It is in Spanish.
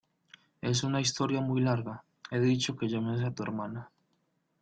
es una historia muy larga. he dicho que llames a tu hermana .